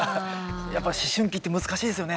やっぱ思春期って難しいですよね。